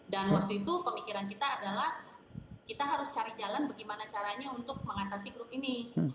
dan waktu itu pemikiran kita adalah kita harus cari jalan bagaimana caranya untuk mengatasi grup ini